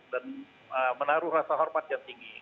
dan menaruh rasa hormat yang tinggi